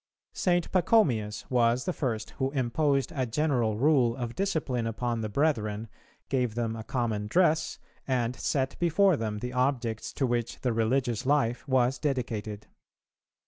St. Pachomius was the first who imposed a general rule of discipline upon the brethren, gave them a common dress, and set before them the objects to which the religious life was dedicated.